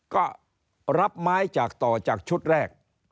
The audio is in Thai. ก็รับไม้จากต่อจากชุดแรก